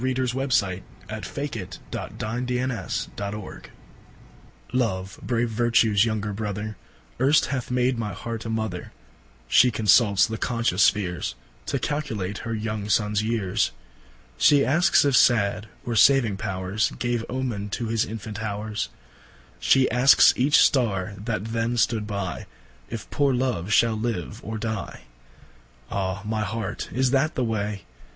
1921. c. 1613–1649 Richard Crashaw Loves Horoscope LOVE, brave Vertues younger Brother, Erst hath made my Heart a Mother, Shee consults the conscious Spheares, To calculate her young sons yeares. Shee askes if sad, or saving powers, Gave Omen to his infant howers, Shee askes each starre that then stood by, If poore Love shall live or dy. Ah my Heart, is that the way?